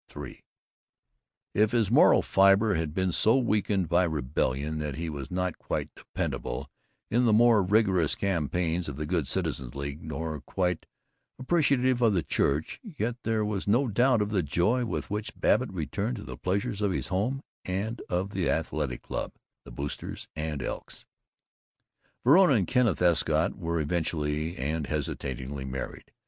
III If his moral fiber had been so weakened by rebellion that he was not quite dependable in the more rigorous campaigns of the Good Citizens' League nor quite appreciative of the church, yet there was no doubt of the joy with which Babbitt returned to the pleasures of his home and of the Athletic Club, the Boosters, the Elks. Verona and Kenneth Escott were eventually and hesitatingly married.